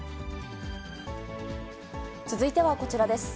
続いてはこちらです。